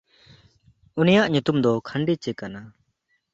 ᱩᱱᱤᱭᱟᱜ ᱧᱩᱛᱩᱢ ᱫᱚ ᱠᱷᱟᱱᱰᱤᱪᱮ ᱠᱟᱱᱟ᱾